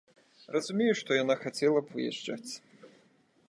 Разумею, што яна хацела б выязджаць.